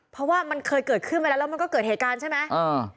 เพราะว่ามันเคยเกิดขึ้นมาแล้วแล้วมันก็เกิดเหตุการณ์ใช่ไหม